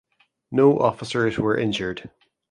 No officers were injured.